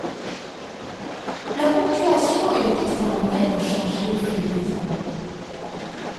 La ponctuation et le texte en anglais ont changé au fil des ans.